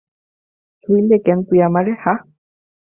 ছুইলে কেন তুই আমারে, হাহ?